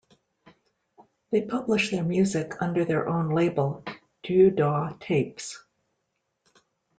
They publish their music under their own label Diu Dau Tapes.